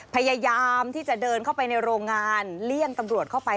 พยายามที่จะเดินเข้าไปในโรงงานเลี่ยงตำรวจเข้าไป